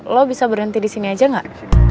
lo bisa berhenti disini aja gak